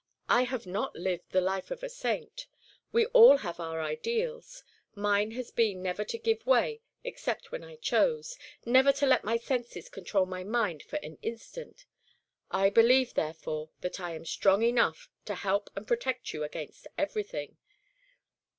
I have not lived the life of a saint. We all have our ideals. Mine has been never to give way except when I chose, never to let my senses control my mind for an instant. I believe, therefore, that I am strong enough to help and protect you against everything.